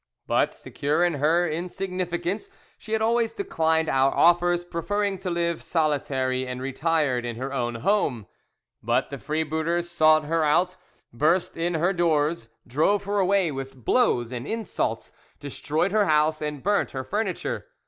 But, secure in her insignificance, she had always declined our offers, preferring to live solitary and retired in her own home. But the freebooters sought her out, burst in her doors, drove her away with blows and insults, destroyed her house and burnt her furniture.